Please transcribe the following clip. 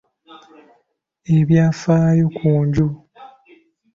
Ebyafaayo ku nju.